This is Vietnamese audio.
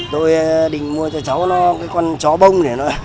tôi định mua cho cháu nó cái con chó bông này nữa